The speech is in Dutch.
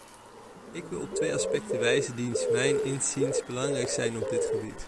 Ik wil op twee aspecten wijzen die mijns inziens belangrijk zijn op dit gebied.